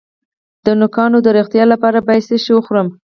د نوکانو د روغتیا لپاره باید څه شی وخورم؟